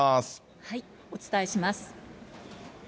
お伝えします。